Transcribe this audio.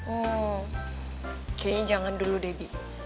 oh kayaknya jangan dulu debi